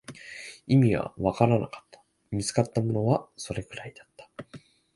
意味はわからなかった、見つかったものはそれくらいだった